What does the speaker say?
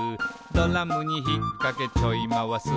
「ドラムにひっかけちょいまわす」